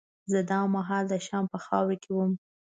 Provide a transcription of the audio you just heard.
زه دا مهال د شام په خاوره کې وم.